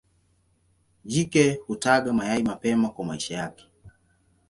Jike hutaga mayai mapema kwa maisha yake.